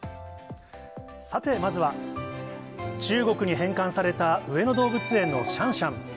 さて、まずは中国に返還された上野動物園のシャンシャン。